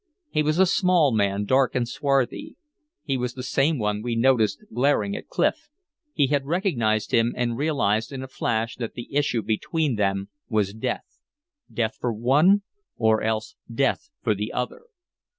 He was a small man, dark and swarthy. He was the same one we noticed glaring at Clif; he had recognized him, and realized in a flash that the issue between them was death death for one or else death for the other.